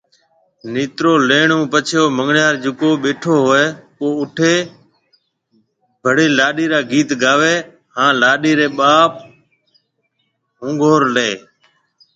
نيترو ليڻ ھونپڇي او منڱڻهار جڪو ٻيٺو هوئي او اُٺي ڀڙي لاڏي را گيت گاوي هي هان لاڏي ري ٻاپ ھونگھور لي هي